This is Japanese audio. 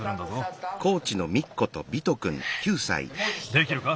できるか？